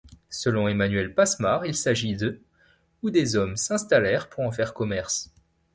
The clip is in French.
Selon Emmanuel Passemard il s’agit d’, où des hommes s'installèrent pour en faire commerce.